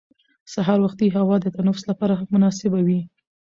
سهار وختي هوا د تنفس لپاره مناسبه وي